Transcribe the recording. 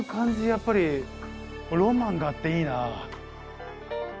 やっぱりロマンがあっていいな。